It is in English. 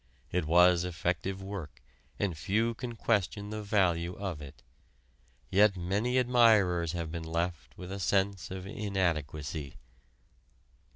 It was effective work, and few can question the value of it. Yet many admirers have been left with a sense of inadequacy.